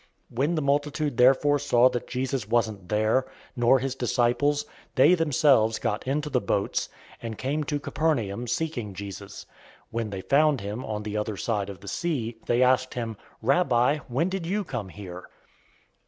006:024 When the multitude therefore saw that Jesus wasn't there, nor his disciples, they themselves got into the boats, and came to Capernaum, seeking Jesus. 006:025 When they found him on the other side of the sea, they asked him, "Rabbi, when did you come here?"